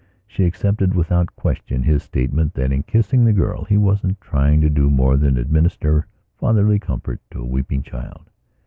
She accepted without question his statement that, in kissing the girl, he wasn't trying to do more than administer fatherly comfort to a weeping child.